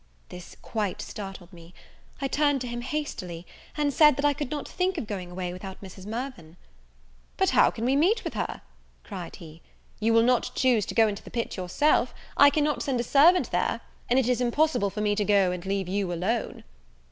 This quite startled me; I turned to him hastily, and said that I could not think of going away without Mrs. Mirvan. "But how can we meet with her?" cried he; "you will not choose to go into the pit yourself; I cannot send a servant there; and it is impossible for me to go and leave you alone."